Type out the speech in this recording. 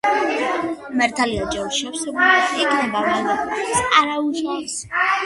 მართალია ჯერ შევსებული არ იქნება, მაგრამ ამას არაუშავს.